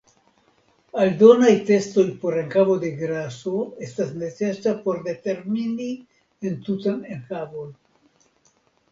Aldonaj testoj por enhavo de graso estas necesa por determini entutan enhavon.